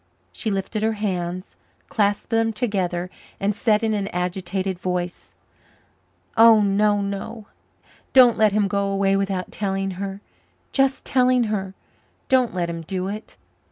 She lifted her hands, clasped them together and said in an agitated voice: "Oh, no, no; don't let him go away without telling her just telling her. Don't let him do it!"